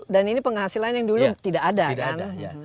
dan ini penghasilan yang dulu tidak ada kan